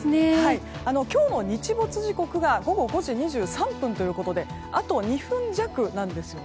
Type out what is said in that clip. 今日の日没時刻は午後５時２３分ということであと２分弱なんですよね。